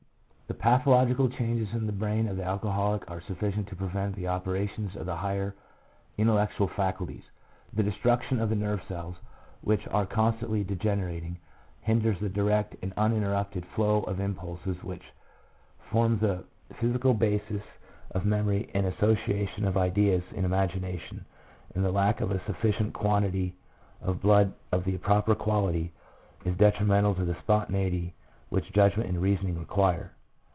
The pathological changes in the brain of the alco holic are sufficient to prevent the operations of the higher intellectual faculties. The destruction of the nerve cells, which are constantly degenerating, hinders the direct and uninterrupted flow of impulses which form the physical bases of memory and association of ideas in imagination, and the lack of a sufficient quantity of blood of the proper quality, is detrimental to the spontaneity which judgment and reasoning require.